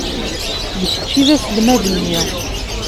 D kečč i d aselmad-nni.